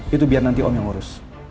itu biar nanti om yang ngurus